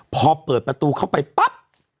พอเปิดประตูเข้าไปปั๊บ